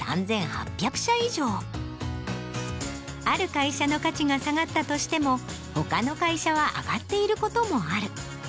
ある会社の価値が下がったとしても他の会社は上がっていることもある。